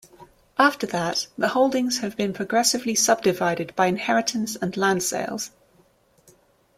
After that, the holdings have been progressively subdivided by inheritance and land sales.